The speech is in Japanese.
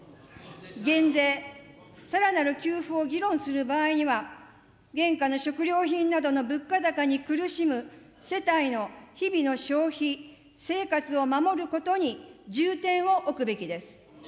減税、さらなる給付を議論する場合には、現下の食料品などの物価高に苦しむ世帯の日々の消費、生活を守ることに重点を置くべきです。